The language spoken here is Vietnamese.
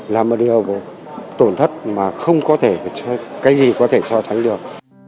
là một điều tổn thất mà không có thể cái gì có thể so sánh được